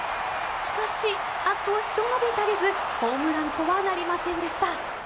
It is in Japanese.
しかし、あとひと伸び足りずホームランとはなりませんでした。